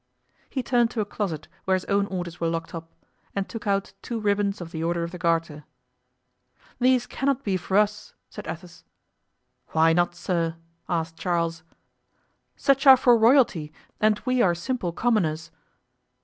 He turned to a closet where his own orders were locked up, and took out two ribbons of the Order of the Garter. "These cannot be for us," said Athos. "Why not, sir?" asked Charles. "Such are for royalty, and we are simple commoners."